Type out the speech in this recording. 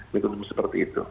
mungkin seperti itu